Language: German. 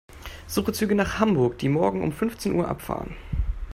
Suche Züge nach Hamburg, die morgen um fünfzehn Uhr abfahren.